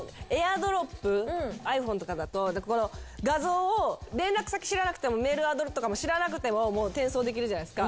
ｉＰｈｏｎｅとかだと画像を連絡先知らなくてもメルアドとかも知らなくても転送できるじゃないですか。